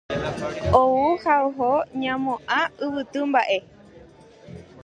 Ou ha oho ñaimo'ã yvytu mba'e.